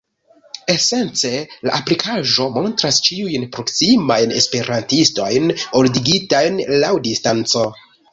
Esence, la aplikaĵo montras ĉiujn proksimajn esperantistojn ordigitajn laŭ distanco.